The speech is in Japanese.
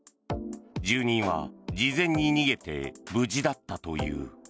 住民は事前に逃げて無事だったという。